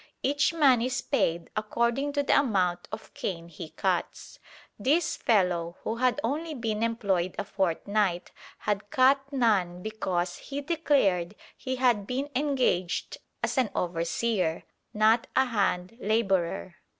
Each man is paid according to the amount of cane he cuts. This fellow, who had only been employed a fortnight, had cut none because he declared he had been engaged as an overseer, not a hand labourer.